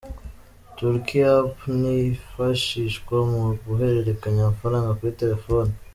TorQue App inifashishwa mu guhererekanya amafaranga kuri terefone.